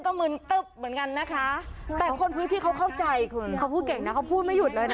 คือใช้ประสาปไทยแหล่งใต้